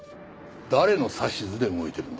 誰の指図で動いてるんだ？